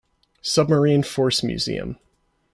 Submarine Force Museum.